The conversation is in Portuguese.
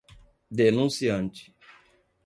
denunciante